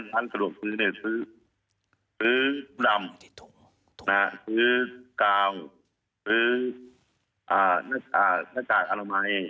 ร้านสรุปซื้อเนี่ยซื้อซื้อดำซื้อกาวซื้ออ่านาฬักษณ์นาฬักษณ์อารมัย